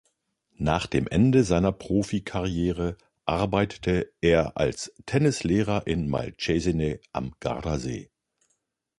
Nach dem Ende seiner Profikarriere arbeitete er als Tennislehrer in Malcesine am Gardasee.